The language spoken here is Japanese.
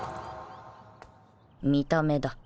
見た目だ